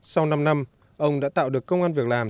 sau năm năm ông đã tạo được công an việc làm